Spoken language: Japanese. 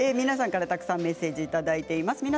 皆さんからたくさんメッセージいただいています。